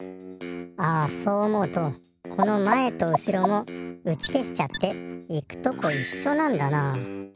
あそう思うとこのまえとうしろもうちけしちゃって行くとこいっしょなんだなあ。